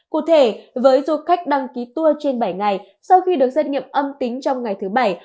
cụ thể với du khách đăng ký tour trên bảy ngày sau khi được xét nghiệm âm tính trong ngày thứ bảy